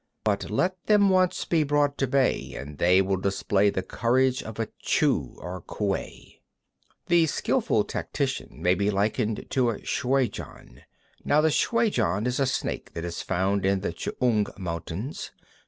But let them once be brought to bay, and they will display the courage of a Chu or a Kuei. 29. The skilful tactician may be likened to the shuai jan. Now the shuai jan is a snake that is found in the Ch'ang mountains.